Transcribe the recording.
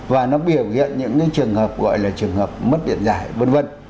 và nó biểu hiện những trường hợp gọi là trường hợp mất điện giải v v